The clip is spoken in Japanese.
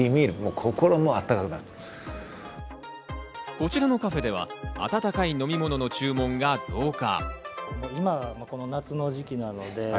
こちらのカフェでは温かい飲み物の注文が増加。